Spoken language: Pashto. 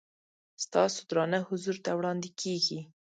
ستاسو درانه حضور ته وړاندې کېږي.